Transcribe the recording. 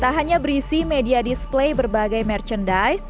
tak hanya berisi media display berbagai merchandise